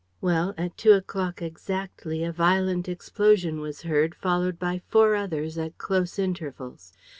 Well, at two o'clock exactly, a violent explosion was heard, followed by four others at close intervals.